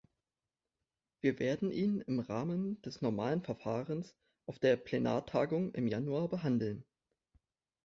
Wir werden ihn im Rahmen des normalen Verfahrens auf der Plenartagung im Januar behandeln.